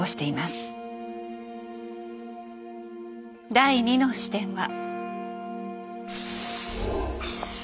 第２の視点は。